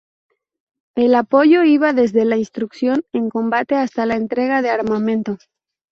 El apoyo iba desde la instrucción en combate hasta la entrega de armamento.